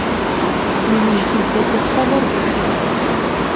Иужь дыдэ теплъэгъуэр гушыӀэт.